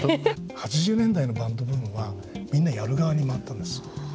８０年代のバンドブームはみんなやる側に回ったんです。